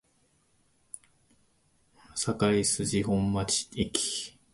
堺筋本町駅